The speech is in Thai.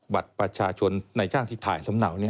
บัตรประชาชนในจ้างที่ถ่ายสำเนา